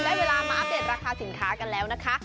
ได้เวลามาอัปเดตราคาสินค้ากันแล้วนะคะ